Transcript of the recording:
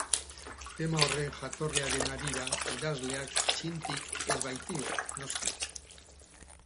Tema horren jatorriaren harira idazleak txintik ez baitio, noski.